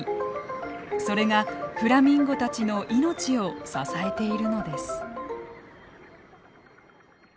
それがフラミンゴたちの命を支えているのです。